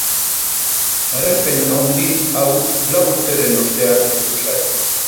Garaipen handi hau lau urteren ostean heldu zaio.